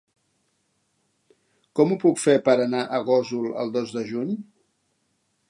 Com ho puc fer per anar a Gósol el dos de juny?